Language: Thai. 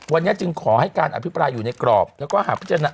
วันนี้จึงขอให้การอภิปรายอยู่ในกรอบแล้วก็หากพิจารณา